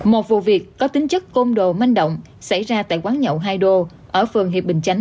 một vụ việc có tính chất côn đồ manh động xảy ra tại quán nhậu hai đô ở phường hiệp bình chánh